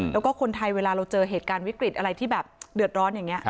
แล้วก็คนไทยเวลาเราเจอเหตุการณ์วิกฤตอะไรที่แบบเดือดร้อนอย่างนี้